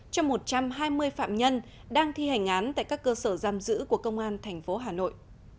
cho một trăm hai mươi phạm nhân đang thi hành án tại các cơ sở giam giữ của công an tp hà nội